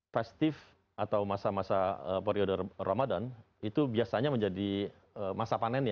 festive atau masa masa periode ramadan itu biasanya menjadi masa panen ya